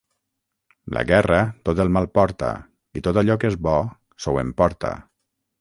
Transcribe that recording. La guerra tot el mal porta i tot allò que és bo s'ho emporta.